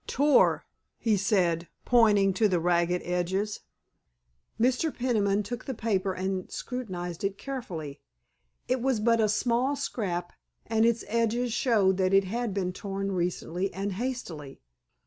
"Tore," he said, pointing to the ragged edges. Mr. Peniman took the paper and scrutinized it carefully. It was but a small scrap, and its edges showed that it had been torn recently and hastily.